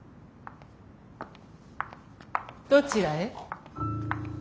どちらへ？